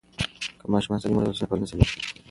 که ماشومان سالم وروزل سي نو ټولنه سمیږي.